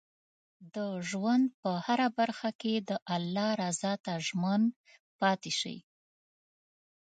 د ژوند په هره برخه کې د الله رضا ته ژمن پاتې شئ.